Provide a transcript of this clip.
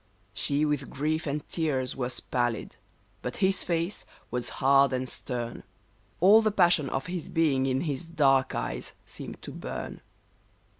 She with grief and tears was pallid ; but his face was hard and stern : All the passion of his being in his dark eyes seemed to burn.